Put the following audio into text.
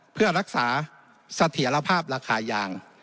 เพื่อรักษาเสถียรภาพราคายาง